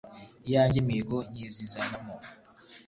iyanjye mihigo nyizizanamo